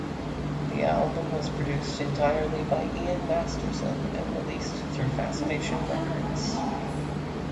The album was produced entirely by Ian Masterson, and released through Fascination Records.